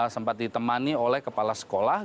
sempat ditemani oleh kepala sekolah